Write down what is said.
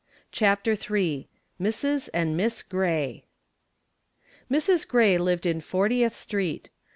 CHAPTER III MRS. AND MISS GRAY Mrs. Gray lived in Fortieth Street.